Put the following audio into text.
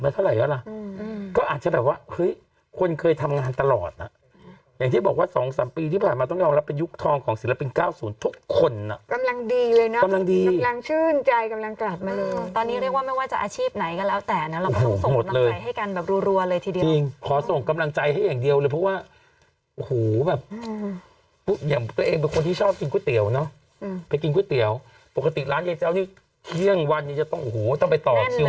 ไม่แต่ลูกโตนะมันเป็นอารมณ์บางทีลูกโตแล้วอยู่ดี